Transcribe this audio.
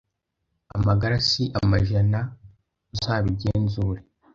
Amagara si amajana uzabigenzure